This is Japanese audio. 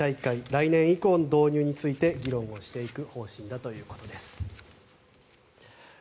来年以降の導入について議論をしていく方針だということです。